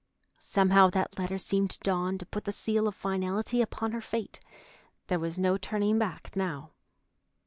Somehow that letter seemed to Dawn to put the seal of finality upon her fate. There was no turning back now.